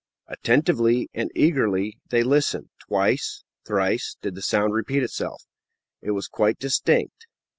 Attentively and eagerly they listened. Twice, thrice did the sound repeat itself. It was quite distinct.